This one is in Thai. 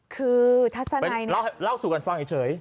คือทัศนัยเล่าสู่กันฟังเฉย